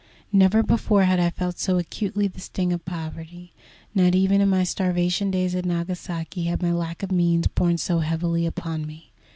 Never before had I felt so acutely the sting of poverty. Not even in my starvation days at Nagasaki had my lack of means borne so heavily upon me.